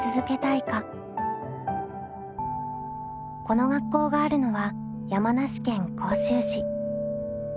この学校があるのは山梨県甲州市。